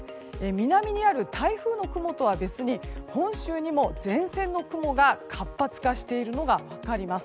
南にある台風の雲とは別に本州にも全線の雲が活発化しているのが分かります。